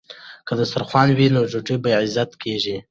که دسترخوان وي نو ډوډۍ نه بې عزته کیږي.